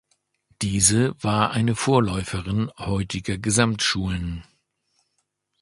Diese war eine Vorläuferin heutiger Gesamtschulen.